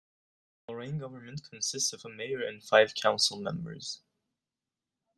The Lorraine government consists of a mayor and five council members.